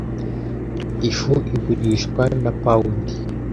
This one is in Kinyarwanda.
Ifu igurishwa na pound.